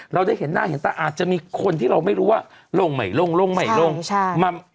เราได้เห็นหน้าเห็นตาอาจจะมีคนที่เราไม่รู้ว่าลงไม่ลงลงไม่ลงใช่